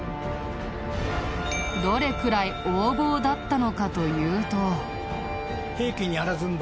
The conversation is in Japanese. どれくらい横暴だったのかというと。